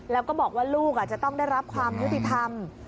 แล้วก็บอกว่าลูกจะต้องได้รับความยุติธรรม